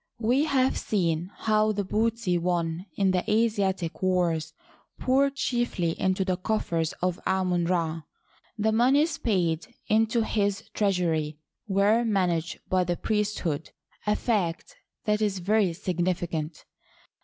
We have seen how the booty won in the Asiatic wars poured chiefly into the coffers of Amon Ra. The moneys paid into his treasury were managed by the priesthood — a fact that is very significant.